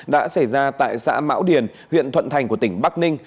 đã xảy ra tại xã mão điền huyện thuận thành của tỉnh bắc ninh